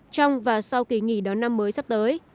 trong và sau kỳ nghỉ đón năm mới sắp tới